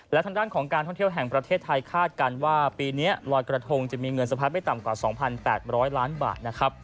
และทางด้านของการท่องเที่ยวแห่งประเทศไทยคาดกันว่าปีนี้ลอยกระทงจะมีเงินสะพัดไม่ต่ำกว่า๒๘๐๐ล้านบาทนะครับ